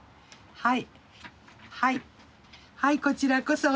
はい。